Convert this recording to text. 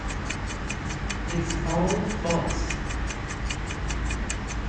It's All False!